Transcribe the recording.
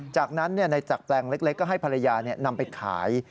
จากนั้นในจากแปลงเล็กก็ให้ภรรยานำไปขาย